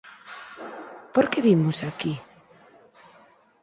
Por que vimos aquí?